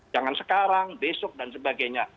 jangan sekarang besok dan sebagainya